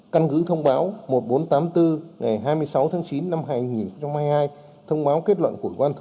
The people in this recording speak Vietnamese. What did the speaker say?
căn cứ thông báo một nghìn bốn trăm tám mươi bốn ngày hai mươi sáu tháng chín năm hai nghìn hai mươi hai thông báo kết luận của ủy ban